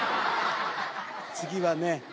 次はね